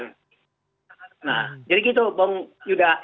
nah jadi gitu bang yuda